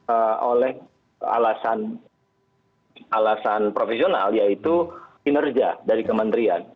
eee oleh alasan alasan profesional yaitu kinerja dari kementerian